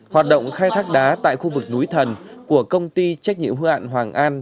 hoạt động khai thác đá tại khu vực núi thần của công ty trách nhiệm hư hạn hoàng an